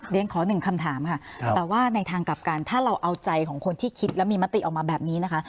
ขอหนึ่งคำถามค่ะแต่ว่าในทางกลับกันถ้าเราเอาใจของคนที่คิดและมีมติออกมาแบบนี้นะคะ